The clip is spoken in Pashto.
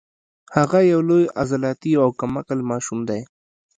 هغه یو لوی عضلاتي او کم عقل ماشوم دی